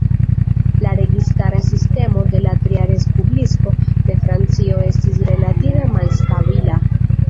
La registara sistemo de la Tria Respubliko de Francio estis relative malstabila.